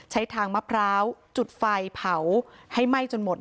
ใช้ทางมะพร้าวจุดไฟเผาให้ไหม้จนหมด